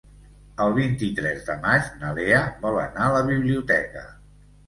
El vint-i-tres de maig na Lea vol anar a la biblioteca.